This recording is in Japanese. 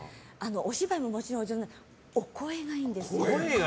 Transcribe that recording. お芝居ももちろんお上手だけどお声がいいんです。